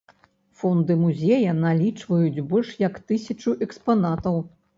Фонды музея налічваюць больш як тысячу экспанатаў.